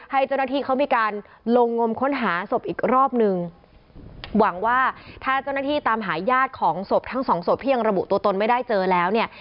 ให้เจ้าหน้าที่เขามีการลงงมค้นหาศพอีกรอบนึงหวังว่าถ้าเจ้าหน้าที่ตามหาญาติของศพทั้งสองศพที่ยังระบุตัวตนไม่ได้เจอแล้วเนี่ย